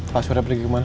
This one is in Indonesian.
pak suri pergi kemana